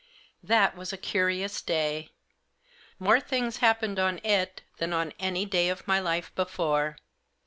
That was a curious day. More things happened on it than on any day of my life before.